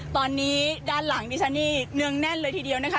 ตอนนี้ด้านหลังดิฉันนี่เนืองแน่นเลยทีเดียวนะคะ